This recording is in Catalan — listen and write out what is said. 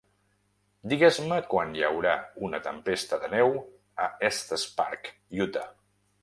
Digues-me quan hi haurà una tempesta de neu a Estes Park, Utah